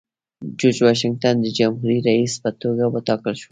جورج واشنګټن د جمهوري رئیس په توګه وټاکل شو.